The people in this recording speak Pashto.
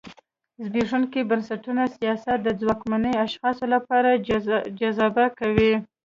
زبېښونکي بنسټونه سیاست د ځواکمنو اشخاصو لپاره جذابه کوي.